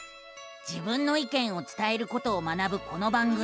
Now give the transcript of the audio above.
自分の意見を伝えることを学ぶこの番組。